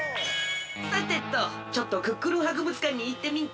さてとちょっとクックルンはくぶつかんにいってみんか？